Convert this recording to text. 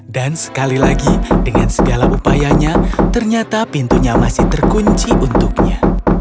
dan sekali lagi dengan segala upayanya ternyata pintunya masih terkunci untuknya